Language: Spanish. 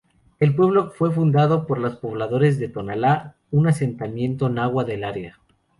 El pueblo fue fundado por los pobladores de Tonalá, un asentamiento náhua del área.